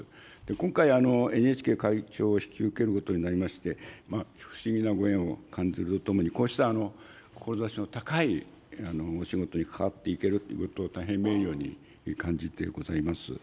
今回、ＮＨＫ会長を引き受けることになりまして、不思議なご縁を感ずるとともに、こうした志の高いお仕事に関わっていけるということを大変名誉に感じてございます。